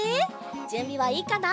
じゅんびはいいかな？